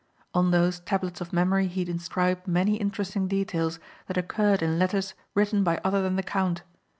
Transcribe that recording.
On those tablets of memory he inscribed many interesting details that occurred in letters written by other than the count.